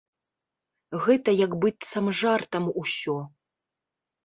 Гэта як быццам жартам усё.